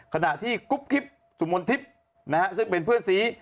ขณะที่กุ๊บกิ๊บสุมนทิพย์นะฮะซึ่งเป็นเพื่อนสี